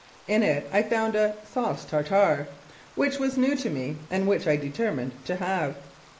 In it I found a "Sauce Tartare," which was new to me and which I determined to have.